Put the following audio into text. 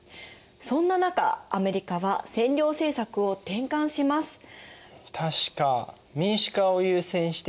そんな中アメリカは占領政策を転換します。